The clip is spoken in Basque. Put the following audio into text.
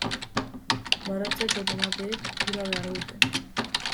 Baratzeko tomateek ura behar dute.